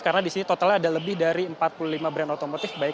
karena di sini totalnya ada lebih dari empat puluh lima brand otomotif